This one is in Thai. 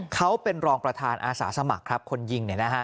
เขาเป็นรองประธานอาสาสมัครครับคนยิง